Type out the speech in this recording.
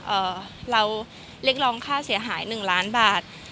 เอ่อเราเรียกรองค่าเสียหายหนึ่งล้านบาท